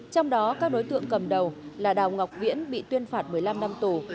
trong đó các đối tượng cầm đầu là đào ngọc viễn bị tuyên phạt một mươi năm năm tù